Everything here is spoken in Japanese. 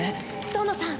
遠野さん